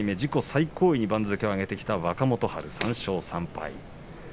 最高位に番付を上げてきた若元春３勝３敗。